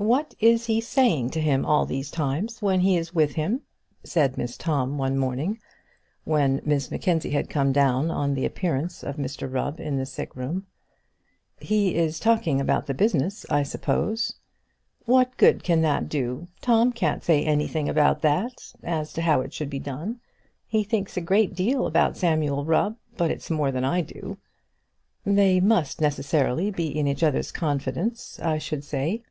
"What is he saying to him all these times when he is with him?" said Mrs Tom one morning, when Miss Mackenzie had come down on the appearance of Mr Rubb in the sick room. "He is talking about the business, I suppose." "What good can that do? Tom can't say anything about that, as to how it should be done. He thinks a great deal about Sam Rubb; but it's more than I do." "They must necessarily be in each other's confidence, I should say."